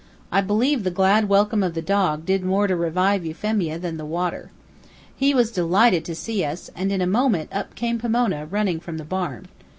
I believe the glad welcome of the dog did more to revive Euphemia than the water. He was delighted to see us, and in a moment up came Pomona, running from the barn.